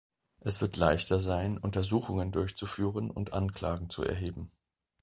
Es wird leichter sein, Untersuchungen durchzuführen und Anklagen zu erheben.